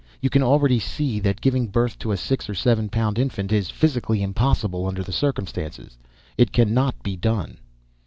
"You can already see that giving birth to a six or seven pound infant is a physical impossibility under the circumstances. It cannot be done."